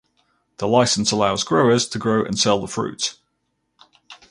The license allows growers to grow and sell the fruits.